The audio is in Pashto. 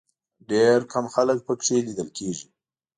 ډېر کم خلک په کې لیدل کېږي.